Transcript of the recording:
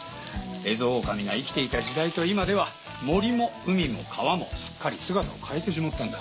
エゾオオカミが生きていた時代と今では森も海も川もすっかり姿を変えてしまったんだ。